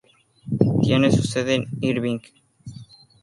Tiene su sede en Irving.